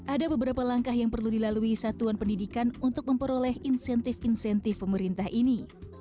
ada beberapa langkah yang perlu dilalui satuan pendidikan untuk memperoleh insentif insentif pemerintah ini